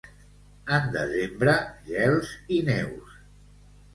En desembre, gels i neus.